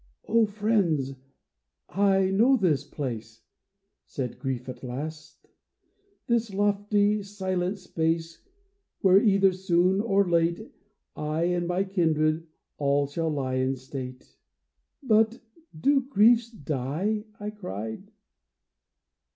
" O friends, I know this place," Said Grief at last, " this lofty, silent space, Where, either soon or late, I and my kindred all shall lie in state." " But do Griefs die ?" I cried.